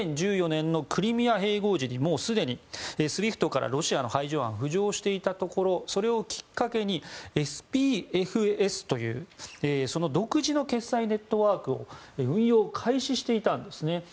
２０１４年のクリミア併合時にすでにＳＷＩＦＴからロシアの排除案は浮上していたところそれをきっかけにＳＰＦＳという独自の決済ネットワークを運用開始していたんですね。